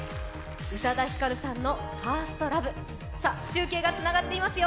宇多田ヒカルさんの「ＦｉｒｓｔＬｏｖｅ」中継がつながっていますよ。